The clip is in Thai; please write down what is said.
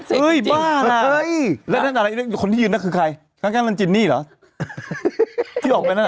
ข้อมูลของเหยื่อเขาบอกว่า